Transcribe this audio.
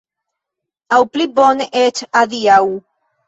Aŭ, pli bone eĉ, adiaŭ!